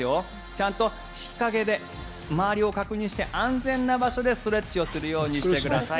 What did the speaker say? ちゃんと日陰で周りを確認して安全な場所でストレッチをするようにしてください。